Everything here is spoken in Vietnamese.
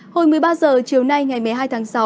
hồi một mươi ba h chiều nay ngày một mươi hai tháng sáu